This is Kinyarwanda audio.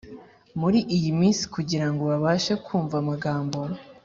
muri iyi minsi; kugirango babashe kumva amagambo